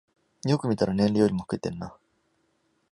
よく見たら年齢よりも老けてるな